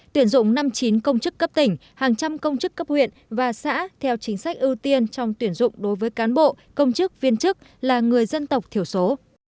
tuyển dụng năm mươi chín công chức cấp tỉnh hàng trăm công chức cấp huyện và xã theo chính sách ưu tiên trong tuyển dụng đối với cán bộ công chức viên chức là người dân tộc thiểu số